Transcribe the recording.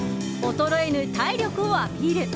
衰えぬ体力をアピール。